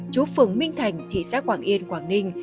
chú phường minh thành thị xã quảng yên quảng ninh